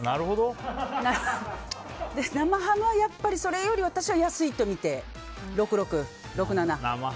生ハムはやっぱりそれより安いとみて６７００。